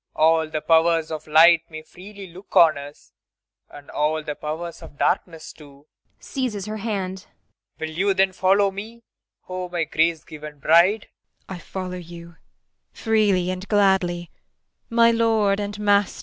All the powers of light may freely look on us and all the powers of darkness too. [Seizes her hand.] Will you then follow me, oh my grace given bride? IRENE. [As though transfigured.] I follow you, freely and gladly, my lord and master!